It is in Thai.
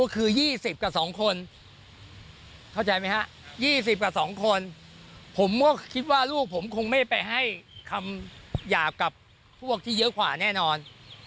คำหยาบกับพวกที่เยอะขวาแน่นอน